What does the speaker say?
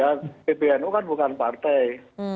ya pbnu kan bukan partai